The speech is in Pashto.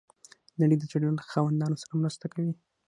نړۍ د زړه له خاوندانو سره مرسته کوي.